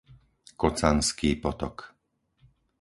Kocanský potok